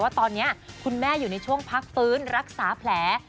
ว่าตอนนี้คุณแม่อยู่ในช่วงพักฟื้นรักษาแผล